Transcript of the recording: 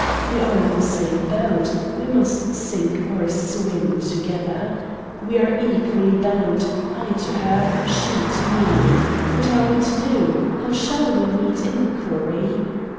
We are in the same boat we must sink or swim, together. We are equally bound, I to her, she to me. What are we to do? How shall we meet inquiry?